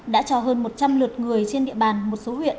đã cho hơn một trăm linh lượt người trên địa bàn một số huyện